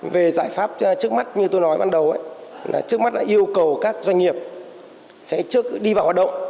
về giải pháp trước mắt như tôi nói ban đầu trước mắt là yêu cầu các doanh nghiệp sẽ trước đi vào hoạt động